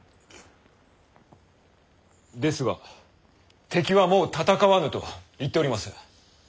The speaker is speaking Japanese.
ですが敵はもう戦わぬと言っております。